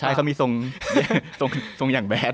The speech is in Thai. ใช่เขามีทรงอย่างแดด